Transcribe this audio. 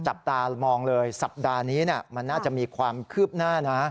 จับตามองเลยสัปดาห์นี้มันน่าจะมีความคืบหน้านะ